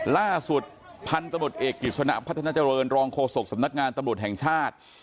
ล่าสุดพันธุ์ตำรวจเอกกิจสนะพัฒนาเจริญรองโฆษกสำนักงานตำรวจแห่งชาติ